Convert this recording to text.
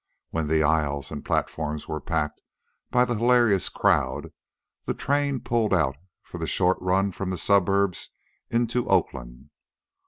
When the aisles and platforms were packed by the hilarious crowd, the train pulled out for the short run from the suburbs into Oakland.